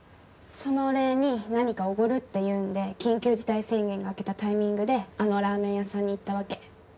そのお礼に何かおごるって言うんで緊急事態宣言が明けたタイミングであのラーメン屋さんに行ったわけ。